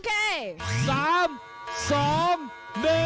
เริ่มแล้วล่ะครับ๑๕วินาที